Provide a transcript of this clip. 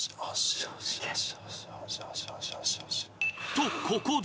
［とここで］